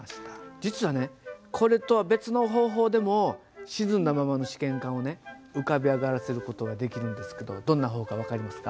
実はねこれとは別の方法でも沈んだままの試験管をね浮かび上がらせる事ができるんですけどどんな方法か分かりますか？